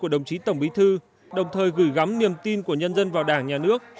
đồng chí tổng bí thư đồng thời gửi gắm niềm tin của nhân dân vào đảng nhà nước